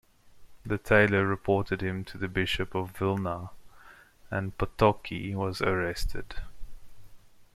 The tailor reported him to the Bishop of Vilna, and Potocki was arrested.